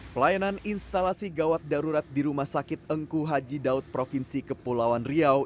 pelayanan instalasi gawat darurat di rumah sakit engku haji daud provinsi kepulauan riau